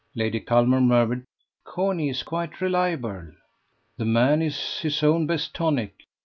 Lady Culmer murmured: "Corney is quite reliable." "The man is his own best tonic."